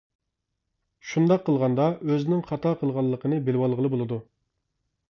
شۇنداق قىلغاندا ئۆزىنىڭ خاتا قىلغانلىقىنى بىلىۋالغىلى بولىدۇ.